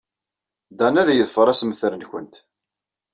Dan ad yeḍfer assemter-nwent.